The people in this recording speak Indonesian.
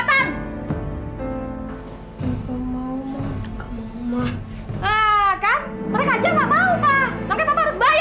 mau mau mah ah kan mereka jangan mau pak harus bayar dong dia mana dia